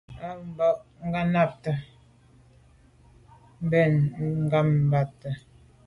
A ba nganabte mbèn mbe ngabàgte.